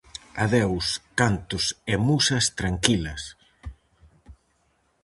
Adeus cantos e musas tranquilas!